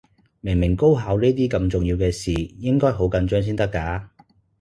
明明高考呢啲咁重要嘅事，應該好緊張先得㗎